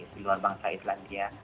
di luar bangsa islandia